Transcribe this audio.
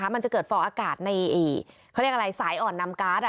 มันจะเกิดฟอร์อากาศในสายอ่อนนำกัส